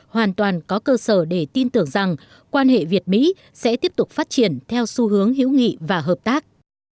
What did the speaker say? hoàn toàn có cơ sở để tin tưởng rằng quan hệ việt mỹ sẽ tiếp tục phát triển theo xu hướng hữu nghị và hợp tác